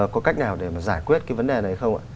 có cách nào để mà giải quyết cái vấn đề này không ạ